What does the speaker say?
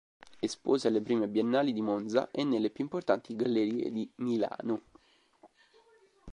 Espose alle prime Biennali di Monza e nelle più importanti gallerie di Milano.